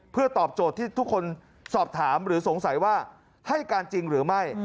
เพื่อตอบโจทย์ที่ทุกคนสอบถามหรือสงสัยว่าให้การจริงหรือไม่